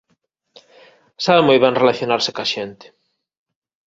Sabe moi ben relacionarse coa xente.